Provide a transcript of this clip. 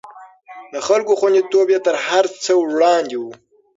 د خلکو خونديتوب يې تر هر څه وړاندې و.